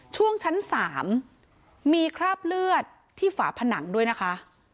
ช่วงชั้น๓มีคราบเลือดที่ฝาผนังด้วยนะคะ